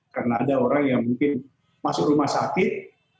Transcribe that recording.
karena ada orang yang mungkin masuk rumah sakit